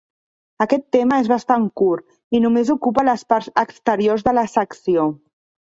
Aquest tema és bastant curt i només ocupa les parts exteriors de la secció.